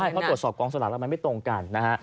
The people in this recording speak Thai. เพราะตรวจสอบกองสลากแล้วมันไม่ตรงกันนะฮะ